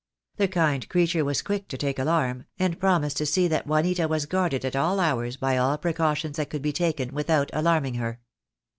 The kind creature was quick to take alarm, and promised to see that Juanita was guarded at all hours by all precautions that could be taken without alarming her.